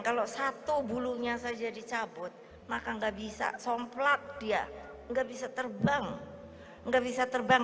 kalau satu bulunya saja dicabut maka nggak bisa somplak dia nggak bisa terbang nggak bisa terbang